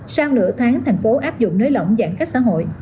sang nửa tháng thành phố áp dụng nới lỏng giãn cách xã hội